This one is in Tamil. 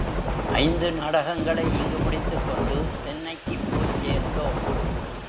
ஐந்து நாடகங்களை இங்கு முடித்துக்கொண்டு சென்னைக்குப் போய்ச் சேர்ந்தோம்.